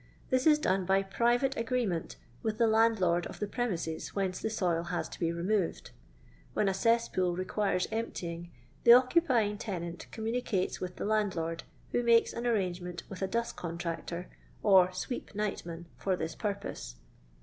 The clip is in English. This is done by private agreement with the landlord of the premises whence the soil has to be removed. When a cesspool requires emptying, the occupying tenant communicates tviih the landlord, who makes an arrangement with a dust contractor or sweep nightman for this pur pose.